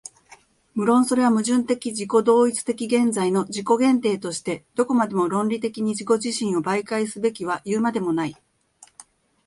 無論それは矛盾的自己同一的現在の自己限定としてどこまでも論理的に自己自身を媒介すべきはいうまでもない。